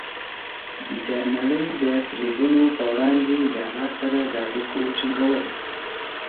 د نړۍ د فریبونو په وړاندې د الله سره د اړیکو ټینګول.